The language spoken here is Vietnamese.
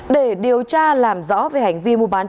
để điều tra làm rõ về hành vi mua bán